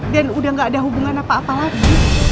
dan udah nggak ada hubungan apa apa lagi